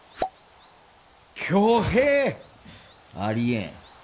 挙兵！？ありえん。